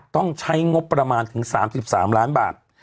ต้องใช้งบประมาณถึง๓๓ล้านบาท